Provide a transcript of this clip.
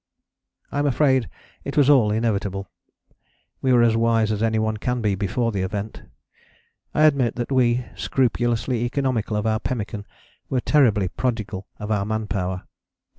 I am afraid it was all inevitable: we were as wise as any one can be before the event. I admit that we, scrupulously economical of our pemmican, were terribly prodigal of our man power.